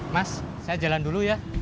mas saya jalan dulu ya